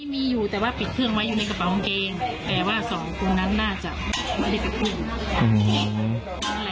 มีอยู่แต่ว่าปิดเครื่องไว้อยู่ในกระเป๋ากางเกงแต่ว่าสองคนนั้นน่าจะไม่ได้กระทืบ